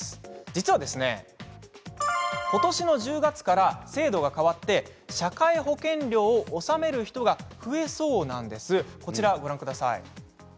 実は、ことしの１０月から制度が変わって社会保険料を納める人が増えそうなんです。